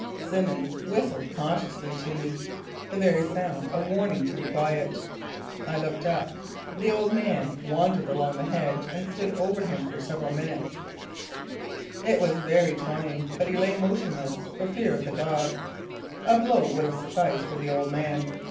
Simmons whistled cautiously to me, the very sound a warning to be quiet. [Illustration: SALIENT DETAILS OF THE THIRD ESCAPE.] I looked up. The old man wandered along the hedge and stood over him for several minutes. It was very trying but he lay motionless, for fear of the dog. A blow would have sufficed for the old man.